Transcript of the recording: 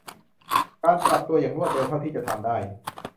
การปรับตัวอย่างรวดเร็วเท่าที่จะทำได้